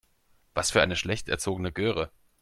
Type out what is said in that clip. Was für eine schlecht erzogene Göre.